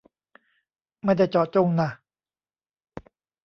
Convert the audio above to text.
ไม่ได้เจาะจงน่ะ